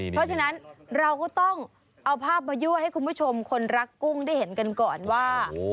เพราะฉะนั้นเราก็ต้องเอาภาพมายั่วให้คุณผู้ชมคนรักกุ้งได้เห็นกันก่อนว่า